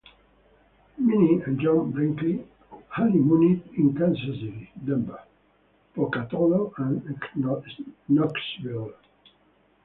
Minnie and John Brinkley honeymooned in Kansas City, Denver, Pocatello and Knoxville.